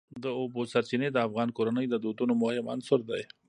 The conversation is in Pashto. د اوبو سرچینې د افغان کورنیو د دودونو مهم عنصر دی.